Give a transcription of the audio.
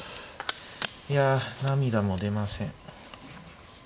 いや涙も出ません。